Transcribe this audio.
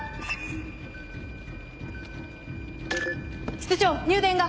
室長入電が！